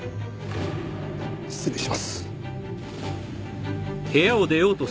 失礼します。